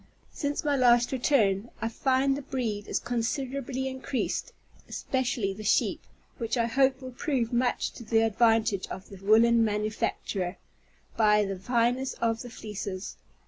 Since my last return, I find the breed is considerably increased, especially the sheep, which I hope will prove much to the advantage of the woollen manufacture, by the fineness of the fleeces.